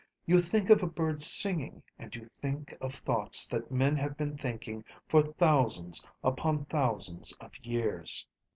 You think of a bird singing and you think of thoughts that men have been thinking for thousands upon thousands of years.